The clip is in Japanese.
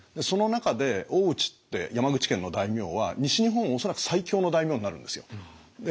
その中で大内って山口県の大名は西日本恐らく最強の大名になるんですよ。